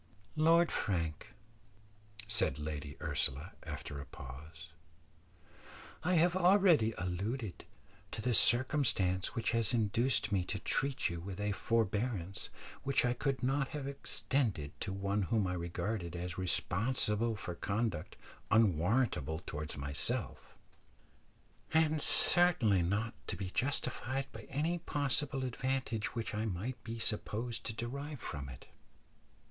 "Lord Frank," said Lady Ursula, after a pause, "I have already alluded to the circumstance which has induced me to treat you with a forbearance which I could not have extended to one whom I regarded as responsible for conduct unwarrantable towards myself, and certainly not to be justified by any possible advantage which I might be supposed to derive from it.